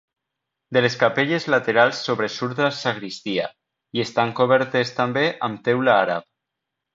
De les capelles laterals sobresurt la sagristia i estan cobertes també amb teula àrab.